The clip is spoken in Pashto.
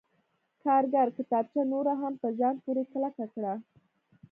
کارګر کتابچه نوره هم په ځان پورې کلکه کړه